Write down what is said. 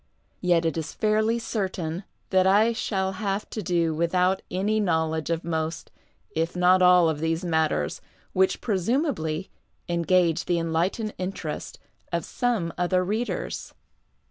Yet it is fairly certain that I shall have to do without any knowledge of most, if not all, of these matters which presumably engage the enlightened interest of some other readers.